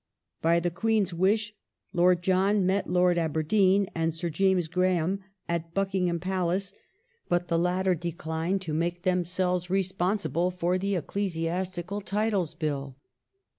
By the Queen's wish Lord John met Lord Aberdeen and Sir James Graham at Buckingham Palace, but the latter declined to make themselves responsible for the Ecclesiastical Titles Bill.